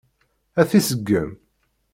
Ad t-iseggem?